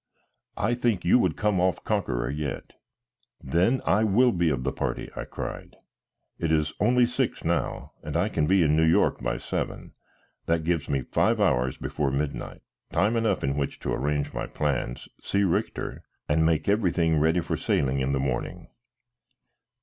"I think you would come off conqueror yet." "Then I will be of the party," I cried. "It is only six now, and I can be in New York by seven. That gives me five hours before midnight, time enough in which to arrange my plans, see Richter, and make everything ready for sailing in the morning."